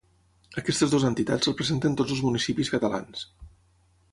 Aquestes dues entitats representen tots els municipis catalans.